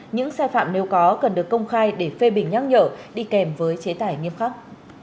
những sai phạm nếu có cần được công khai để phê bình nhắc nhở đi kèm với chế tải nghiêm khắc